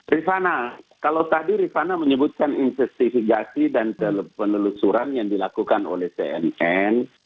rifana kalau tadi rifana menyebutkan investasi dan penelusuran yang dilakukan oleh cnn